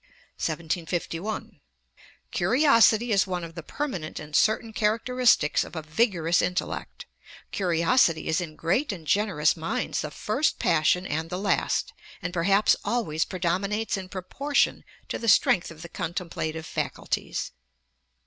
Ante, i. 89. 1751. 'Curiosity is one of the permanent and certain characteristicks of a vigorous intellect.' Rambler, No. 103. 'Curiosity is in great and generous minds the first passion and the last; and perhaps always predominates in proportion to the strength of the contemplative faculties.'